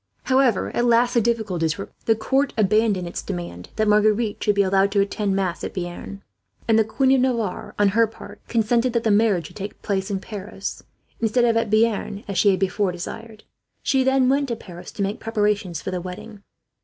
However, at last the difficulties were removed. The court abandoned its demand that Marguerite should be allowed to attend mass at Bearn; and the Queen of Navarre, on her part, consented that the marriage should take place at Paris, instead of at Bearn as she had before desired. She then went to Paris to make preparations for the wedding.